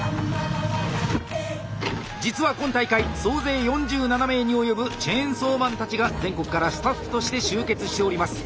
実は今大会総勢４７名に及ぶチェーンソーマンたちが全国からスタッフとして集結しております。